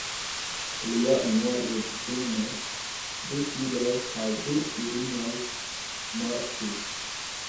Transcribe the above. Lia unua edzino, du filoj kaj du filinoj mortis.